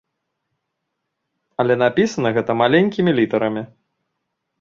Але напісана гэта маленькімі літарамі.